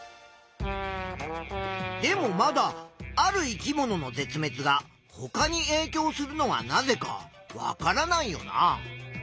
でもまだある生き物の絶滅がほかにえいきょうするのはなぜかわからないよな？